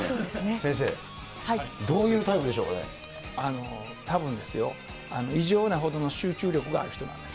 先生、どういうタイプでしょうかたぶんですよ、異常なほどの集中力がある人なんです。